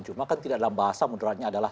cuma kan tidak dalam bahasa moderatnya adalah